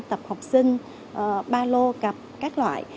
tập học sinh ba lô cặp các loại